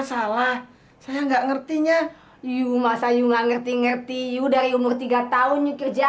sampai jumpa di video selanjutnya